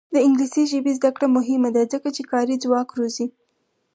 د انګلیسي ژبې زده کړه مهمه ده ځکه چې کاري ځواک روزي.